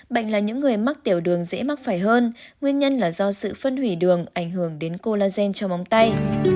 bệnh là những người mắc tiểu đường dễ mắc phải hơn nguyên nhân là do sự phân hủy đường ảnh hưởng đến colagen trong bóng tay